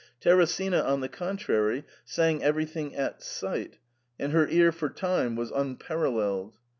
Teresina, on the contrary, sang everything at sight, and her car for time was unparalleled.